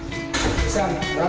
sudah kamu juga kan